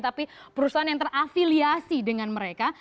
tapi perusahaan yang terafiliasi dengan mereka